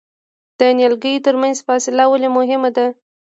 د نیالګیو ترمنځ فاصله ولې مهمه ده؟